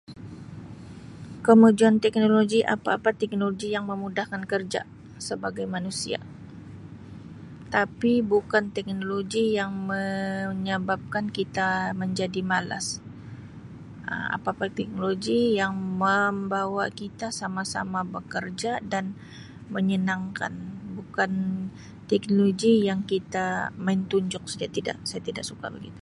Kemajuan teknologi apa-apa teknologi yang memudahkan kerja sebagai manusia tapi bukan teknologi yang menyababkan kita menjadi malas Um apa-apa teknologi yang mambawa kita sama-sama bekerja dan menyenangkan bukan teknologi yang kita main tunjuk saja, tidak, saya tidak suka begitu.